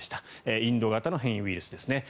インド型の変異ウイルスですね。